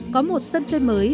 có một sân chơi mới